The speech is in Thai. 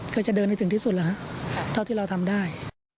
ก็จะเดินให้ถึงที่สุดละครับเท่าที่เราทำได้